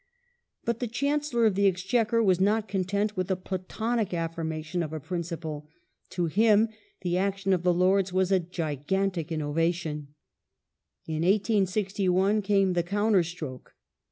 But the Chancellor of the Exchequer was not content with the Platonic affirmation of a principle. To him the action of the Lords was a " gigantic innovation ". In 1861 came the counter stroke.